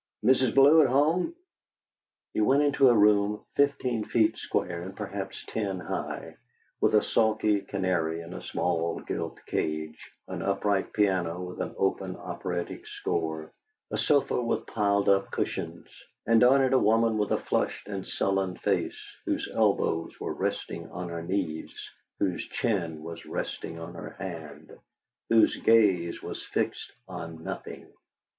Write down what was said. "Mrs. Bellew at home?" He went into a room fifteen feet square and perhaps ten high, with a sulky canary in a small gilt cage, an upright piano with an open operatic score, a sofa with piled up cushions, and on it a woman with a flushed and sullen face, whose elbows were resting on her knees, whose chin was resting on her hand, whose gaze was fixed on nothing.